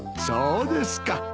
そうですか。